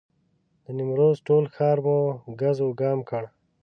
د نیمروز ټول ښار مو ګز وګام کړ.